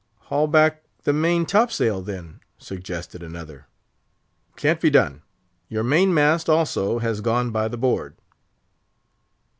"Haul back the main top sail, then," suggested another. "Can't be done; your main mast, also, has gone by the board!"